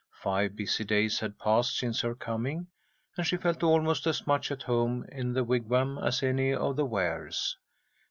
Five busy days had passed since her coming, and she felt almost as much at home in the Wigwam as any of the Wares.